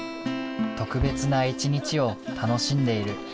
特別な一日を楽しんでいる。